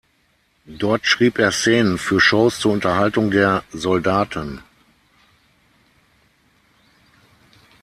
Dort schrieb er Szenen für Shows zur Unterhaltung der Soldaten.